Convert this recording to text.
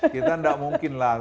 kita enggak mungkin lah